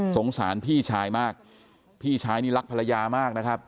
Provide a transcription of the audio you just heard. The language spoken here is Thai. สงสารพี่ชายมากพี่ชายนี่รักภรรยามากนะครับ